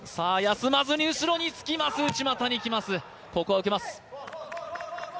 休まずに後ろにいきます、内股にいきます。